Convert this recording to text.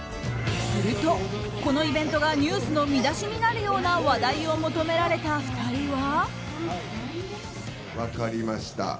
すると、このイベントがニュースの見出しになるような話題を求められた２人は。